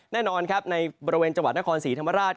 แน่นอนครับในบริเวณจังหวัดนครศรีธรรมราช